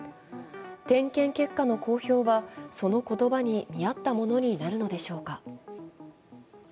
点検結果の公表はその言葉に見合ったものになるのでしょうか。